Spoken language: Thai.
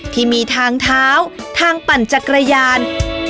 ที่มีทางเท้าทางปั่นจักรยาน